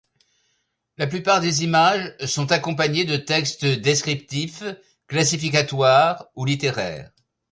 La plupart des images sont accompagnées de textes descriptifs, classificatoires ou littéraires.